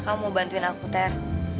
kamu mau bantuin aku ter